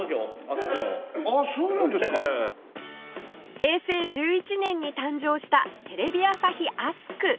平成１１年に誕生したテレビ朝日アスク